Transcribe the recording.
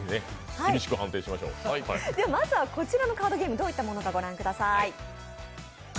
まずは、こちらのカードゲーム、どういったものかご覧ください。